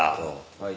はい。